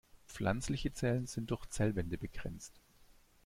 Pflanzliche Zellen sind durch Zellwände begrenzt.